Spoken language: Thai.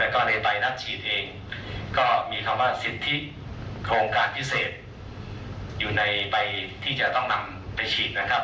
โครงการพิเศษอยู่ในใบที่จะต้องนำไปฉีดนะครับ